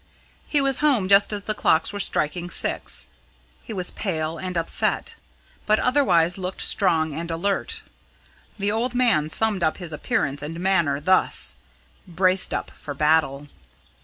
He was home just as the clocks were striking six. He was pale and upset, but otherwise looked strong and alert. The old man summed up his appearance and manner thus: "Braced up for battle."